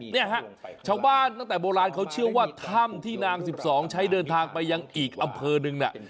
เนี่ยฮะชาวบ้านตั้งแต่โบราณเขาเชื่อว่าถ้ำที่นาง๑๒ใช้เดินทางไปยังอีกอำเภอหนึ่งน่ะ